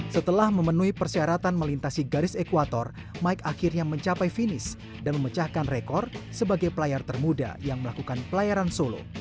setelah memenuhi persyaratan melintasi garis ekwator mike akhirnya mencapai finish dan memecahkan rekor sebagai pelayar termuda yang melakukan pelayaran solo